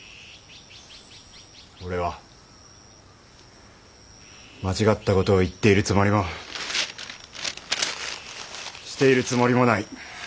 俺は間違った事を言っているつもりもしているつもりもない。